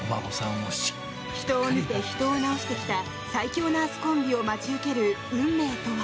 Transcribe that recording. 人を見て人を治してきた最強ナースコンビを待ち受ける運命とは。